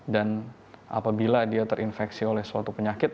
dan apabila dia terinfeksi oleh suatu penyakit